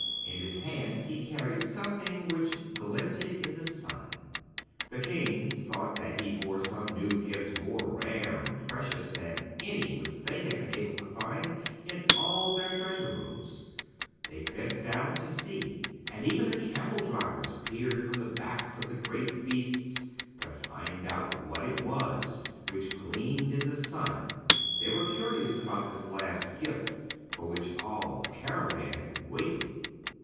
In his hand he carried something which glinted in the sun. The kings thought that he bore some new gift more rare and precious than any which they had been able to find in all their treasure rooms. They bent down to see, and even the camel drivers peered from the backs of the great beasts to find out what it was which gleamed in the sun. They were curious about this last gift for which all the caravan had waited.